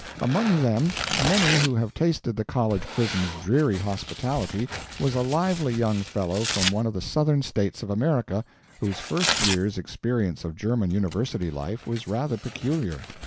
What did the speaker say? Among them many who have tasted the college prison's dreary hospitality was a lively young fellow from one of the Southern states of America, whose first year's experience of German university life was rather peculiar.